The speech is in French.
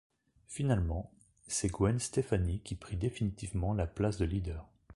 Finalement, c’est Gwen Stefani qui prit définitivement la place de leader.